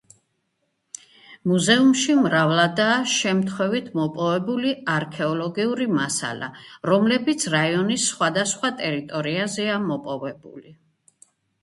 მუზეუმში მრავლადაა შემთხვევით მოპოვებული არქეოლოგიური მასალა, რომლებიც რაიონის სხვადასხვა ტერიტორიაზეა მოპოვებული.